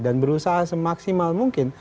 dan berusaha semaksimal mungkin